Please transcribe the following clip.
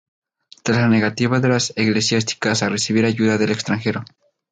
Tras la negativa de las eclesiásticas a recibir ayuda del extranjero.